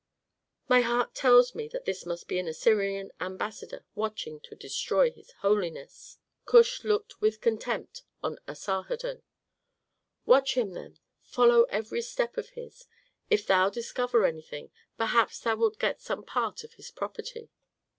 "My heart tells me that this must be an Assyrian ambassador watching to destroy his holiness." Kush looked with contempt on Asarhadon. "Watch him, then; follow every step of his. If thou discover anything, perhaps thou wilt get some part of his property."